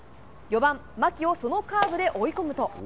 ４番、牧をそのカーブで追い込むと。